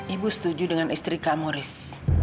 ibu setuju dengan istri kamu riz